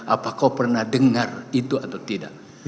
apa kau pernah dengar itu atau tidak